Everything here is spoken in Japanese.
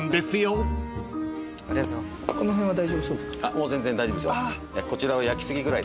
もう全然大丈夫ですよ。